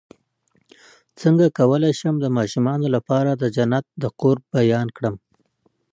څنګه کولی شم د ماشومانو لپاره د جنت د قرب بیان کړم